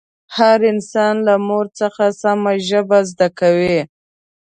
هر انسان له مور څخه سمه ژبه زده کوي